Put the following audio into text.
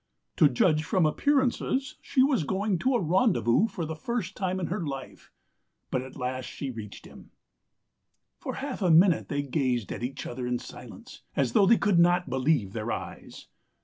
... To judge from appearances she was going to a rendezous for the first time in her life. But at last she reached him. ... For half a minute they gazed at each other in silence, as though they could not believe their eyes.